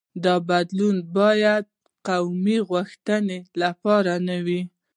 دا بدلون باید قومي غوښتنو لپاره نه وي.